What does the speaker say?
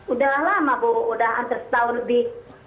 udah lama bu udah hampir setahun lebih